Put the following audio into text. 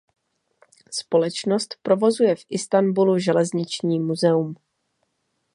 Společnost provozuje v Istanbulu železniční muzeum.